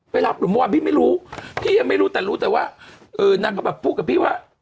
รับหรือเมื่อวานพี่ไม่รู้พี่ยังไม่รู้แต่รู้แต่ว่าเออนางก็แบบพูดกับพี่ว่า